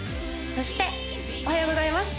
そしておはようございます